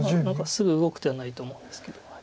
何かすぐ動く手はないと思うんですけど。